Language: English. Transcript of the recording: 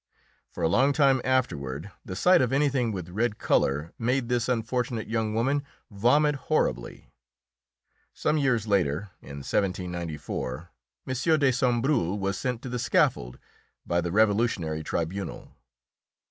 For a long time afterward the sight of anything with red colour made this unfortunate young woman vomit horribly. Some years later (in 1794) M. de Sombreuil was sent to the scaffold by the Revolutionary tribunal.